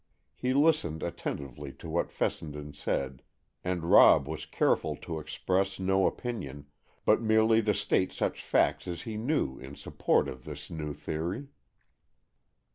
He listened attentively to what Fessenden said, and Rob was careful to express no opinion, but merely to state such facts as he knew in support of this new theory.